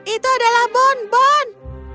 itu adalah bonbon